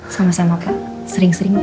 sama sama pak sering sering pak